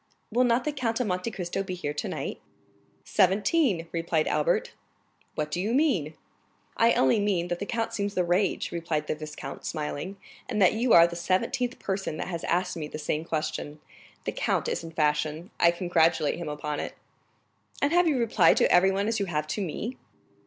"Will not the Count of Monte Cristo be here tonight?" "Seventeen!" replied Albert. "What do you mean?" "I only mean that the count seems the rage," replied the viscount, smiling, "and that you are the seventeenth person that has asked me the same question. The count is in fashion; I congratulate him upon it." "And have you replied to everyone as you have to me?"